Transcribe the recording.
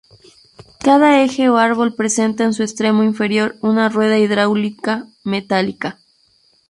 Cada eje o árbol presenta en su extremo inferior una rueda hidráulica metálica.